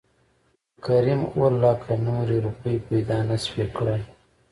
کريم اووه لکه نورې روپۍ پېدا نه شوى کړى .